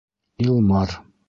Илмар.